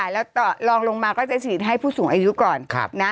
แล้วลองลงมาก็จะฉีดให้ผู้สูงอายุก่อน